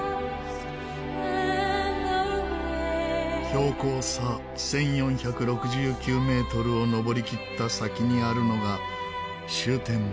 標高差１４６９メートルを登りきった先にあるのが終点